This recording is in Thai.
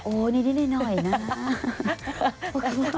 โอ้นี่ได้หน่อยนะ